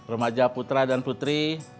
remaja putra dan putri